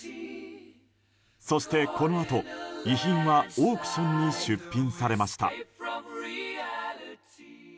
そしてこのあと、遺品はオークションに出品されました。